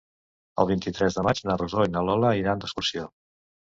El vint-i-tres de maig na Rosó i na Lola iran d'excursió.